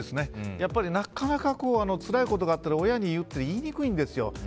やっぱり、なかなかつらいことがあったら親に言うって言いにくいんですよ。